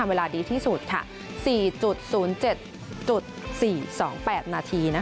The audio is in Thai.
เวลาดีที่สุด๔๐๗๔๒๘นาที